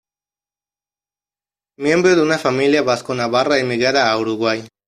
Miembro de una familia vasco-navarra emigrada a Uruguay.